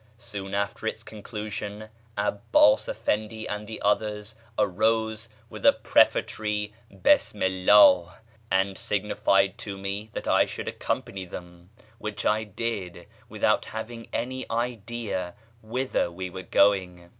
Soon after its conclusion 'Abbás Efendí and the others arose with a prefatory "Bismi'lláh," and signified to me that I should accompany them, which I did, without having any idea whither we were going.